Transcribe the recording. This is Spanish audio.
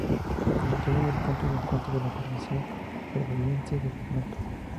Se convirtió en el punto de encuentro de la burguesía almeriense del momento.